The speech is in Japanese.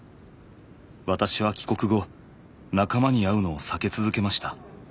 私は帰国後仲間に会うのを避け続けました。